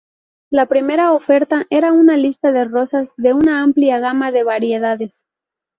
La primera oferta era una lista de rosas de una amplia gama de variedades.